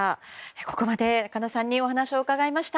ここまで中野さんにお話を伺いました。